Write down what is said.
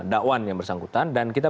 dakwan yang bersangkutan dan kita